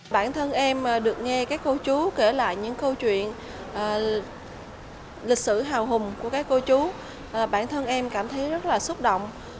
bản thân em được nghe các cô chú kể lại những câu chuyện lịch sử hào hùng của các cô chú bản thân em cảm thấy rất là xúc động